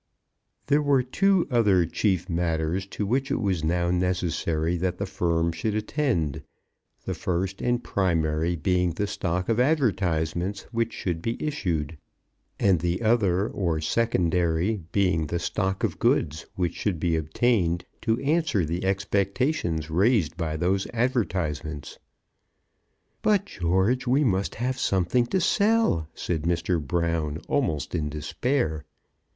There were two other chief matters to which it was now necessary that the Firm should attend; the first and primary being the stock of advertisements which should be issued; and the other, or secondary, being the stock of goods which should be obtained to answer the expectations raised by those advertisements. "But, George, we must have something to sell," said Mr. Brown, almost in despair.